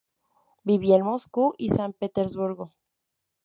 Vivía en Moscú y San Petersburgo.